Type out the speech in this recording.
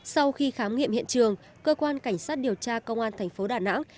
sau khi khám nghiệm hiện trường cơ quan cảnh sát điều tra công an thành phố đà nẵng